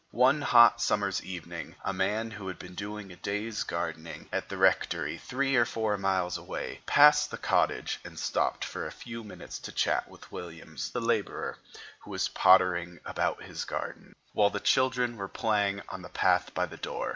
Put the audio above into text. One hot summer's evening, a man who had been doing a day's gardening at a rectory three or four miles away, passed the cottage, and stopped for a few minutes to chat with Williams, the laborer, who was pottering about his garden, while the children were playing on the path by the door.